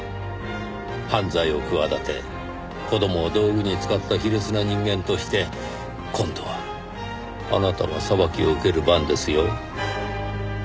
犯罪を企て子供を道具に使った卑劣な人間として今度はあなたが裁きを受ける番ですよ。